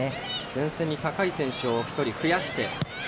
前線に高い選手を１人、増やして。